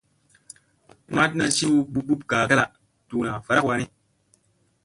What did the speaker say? Matna ci suu bup bup gaa kala ,duuna varak wanni.